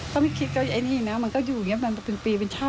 ถ้าไม่คิดกับไอ้นี่นะมันก็อยู่อย่างนี้มันเป็นปีเป็นเช่า